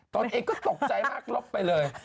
ตนเองก็ตกใจมากลบไปเลย